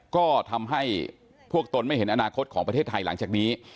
ก็ทำให้พวกตนไม่เห็นอนาคตของประเทศไทยหลังจากนี้